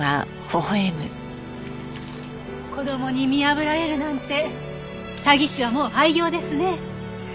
子供に見破られるなんて詐欺師はもう廃業ですね。